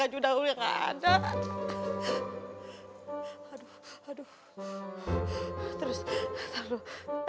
aduh terus terus